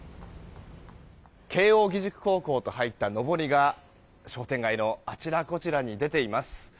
慶応義塾高校と入ったのぼりが商店街のあちらこちらに出ています。